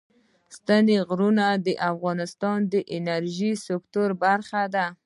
ستوني غرونه د افغانستان د انرژۍ سکتور برخه ده.